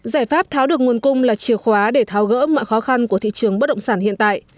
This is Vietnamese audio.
giải pháp tháo được nguồn cung là chìa khóa để tháo gỡ mọi khó khăn của thị trường bất động sản hiện tại